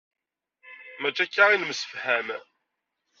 Mačči akka i nemsefham!